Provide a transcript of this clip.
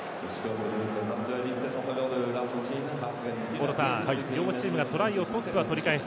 大野さん、両チームがトライを取っては取り返す。